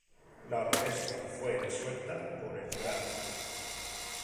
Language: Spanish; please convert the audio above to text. La Orquesta fue disuelta por el Gral.